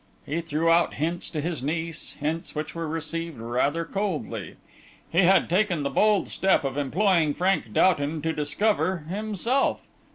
He threw out hints to his niece, hints which were received rather coldly. He had taken the bold step of employing Frank Doughton to discover himself!